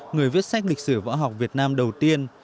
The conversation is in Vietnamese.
người viết sách lịch sử võ học việt nam đầu tiên